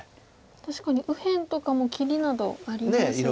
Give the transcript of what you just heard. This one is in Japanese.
確かに右辺とかも切りなどありますし。